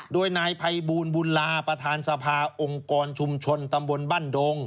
โดยนายภัยบูลบุญลาประธานสภาองค์กรชุมชนตำบลบ้านดง